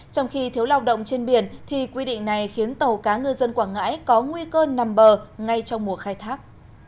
trong khi thiếu lao động trên biển thì quy định này khiến tàu cá ngư dân quảng ngãi có nguy cơ nằm bờ ngay trong mùa khai thác